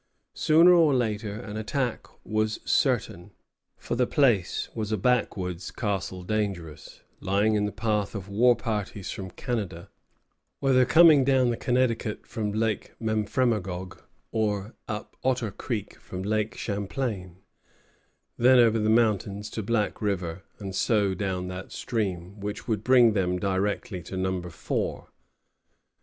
Sooner or later an attack was certain; for the place was a backwoods Castle Dangerous, lying in the path of war parties from Canada, whether coming down the Connecticut from Lake Memphremagog, or up Otter Creek from Lake Champlain, then over the mountains to Black River, and so down that stream, which would bring them directly to Number Four.